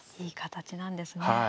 いい形なんですね。